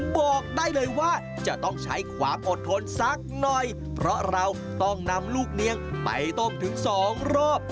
บอกได้เลยว่าจะต้องใช้ความอดทนสักหน่อยเพราะเราต้องนำลูกเนียงไปต้มถึงสองรอบ